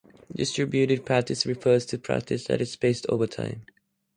Distributed practice refers to practice that is spaced over time.